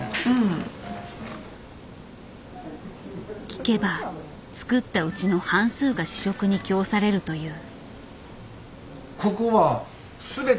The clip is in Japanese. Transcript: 聞けば作ったうちの半数が試食に供されるという。